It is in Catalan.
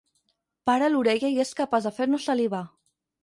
Para l'orella i és capaç de fer-nos salivar.